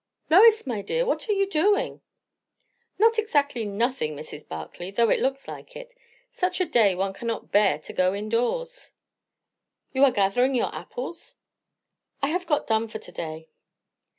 "Lois, my dear, what are you doing?" "Not exactly nothing, Mrs. Barclay; though it looks like it. Such a day one cannot bear to go in doors!" "You are gathering your apples?" "I have got done for to day."